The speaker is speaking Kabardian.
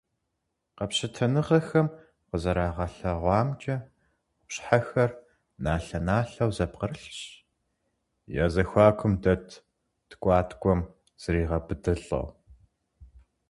Къэпщытэныгъэхэм къызэрагъэлъэгъуамкӏэ, къупщхьэхэр налъэ-налъэу зэпкърылъщ, я зэхуакум дэт ткӏуаткӏуэм зригъэбыдылӏэу.